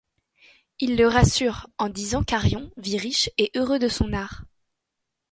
Ils le rassurent en disant qu'Arion vit riche et heureux de son art.